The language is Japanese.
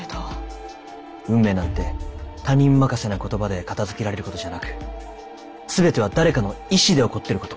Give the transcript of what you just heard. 運命なんて他人任せな言葉で片づけられることじゃなく全ては誰かの意志で起こってること。